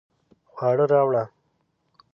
خواړه راوړه